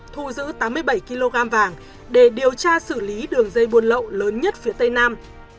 thu giữ tám mươi bảy kg vàng để điều tra xử lý đường dây buôn lậu lớn nhất phía tây nam